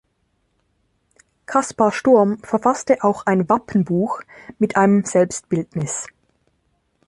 Kaspar Sturm verfasste auch ein "Wappenbuch" mit einem Selbstbildnis.